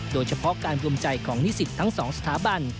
โดยเฉพาะการรวมใจของนิสิตทั้งสองสถาบัน